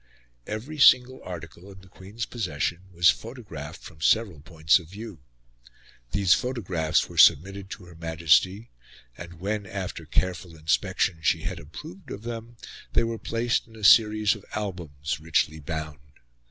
Every single article in the Queen's possession was photographed from several points of view. These photographs were submitted to Her Majesty, and when, after careful inspection, she had approved of them, they were placed in a series of albums, richly bound.